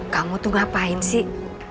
kamu tuh ngapain sih